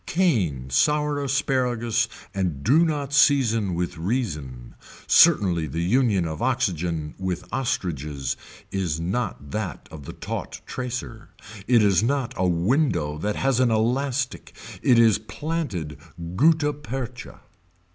Cane sour asparagus and do not season with reason. Certainly the union of oxygen with ostriches is not that of the taught tracer. It is not a window that has an elastic it is planted gutta percha.